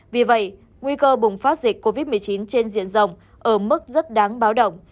vì vậy nguy cơ bùng phát dịch covid một mươi chín trên diện rộng ở mức rất đáng báo động